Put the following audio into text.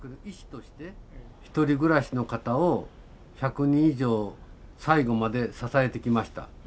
ひとり暮らしの方を１００人以上最期まで支えてきました。